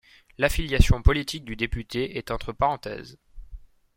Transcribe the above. L'affiliation politique du député est entre parenthèses.